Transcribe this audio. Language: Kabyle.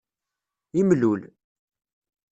Imlul.